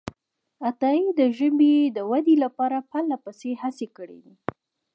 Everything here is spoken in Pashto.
عطایي د ژبې د ودې لپاره پرلهپسې هڅې کړې دي.